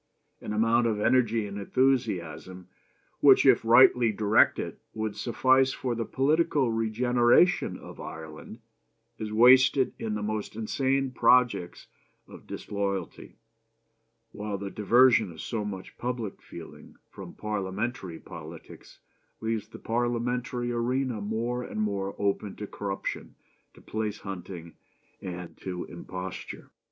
An amount of energy and enthusiasm which if rightly directed would suffice for the political regeneration of Ireland is wasted in the most insane projects of disloyalty; while the diversion of so much public feeling from Parliamentary politics leaves the Parliamentary arena more and more open to corruption, to place hunting, and to imposture.